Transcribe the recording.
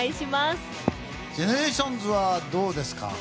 ＧＥＮＥＲＡＴＩＯＮＳはどうですか？